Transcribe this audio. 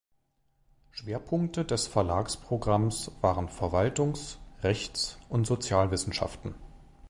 Schwerpunkte des Verlagsprogramms waren Verwaltungs-, Rechts- und Sozialwissenschaften.